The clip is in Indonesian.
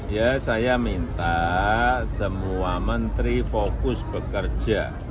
ya saya minta semua menteri fokus bekerja